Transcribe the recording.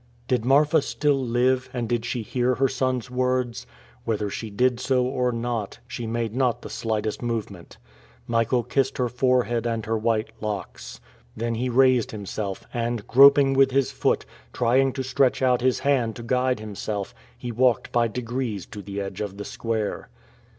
Did Marfa still live, and did she hear her son's words? Whether she did so or not, she made not the slightest movement. Michael kissed her forehead and her white locks. He then raised himself, and, groping with his foot, trying to stretch out his hand to guide himself, he walked by degrees to the edge of the square.